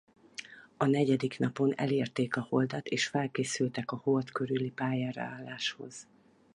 A negyedik napon elérték a Holdat és felkészültek a Hold körüli pályára álláshoz.